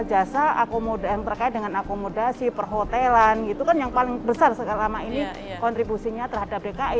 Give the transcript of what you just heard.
jasa akomoda yang terkait dengan akomodasi perhotelan gitu kan yang paling besar sekarang ini kontribusinya terhadap dki